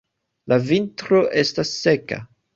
La vintro estas seka.